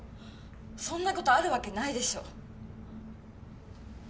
そんなことあるわけないでしょ